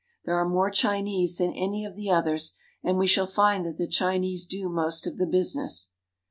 There are more Chinese than any of the others, and we shall find that the Chinese do most of the business.